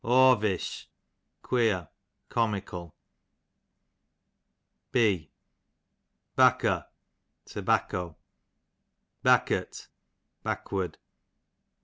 Awvish, queer, comical. B Baooo, tobacco. Baokurt, backward.